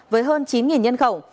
với hơn chín nhân khẩu